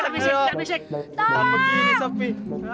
bisa diam gak sopi